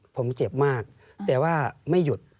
ผมเจ็บมากแต่ว่าไม่หยุด